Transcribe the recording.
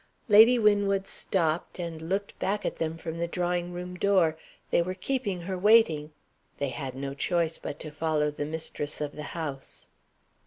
Lady Winwood stopped, and looked back at them from the drawing room door. They were keeping her waiting they had no choice but to follow the mistress of the house.